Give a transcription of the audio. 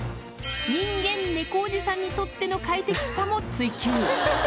人間・猫おじさんにとっての快適さも追求。